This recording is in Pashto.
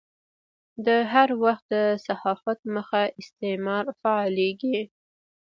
د هر وخت د صحافت مخ استعمار فعالېږي.